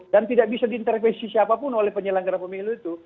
dan tidak bisa diintervensi siapapun oleh penyelenggara pemilu itu